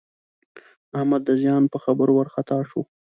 احمد د زیان په خبر وارخطا شو.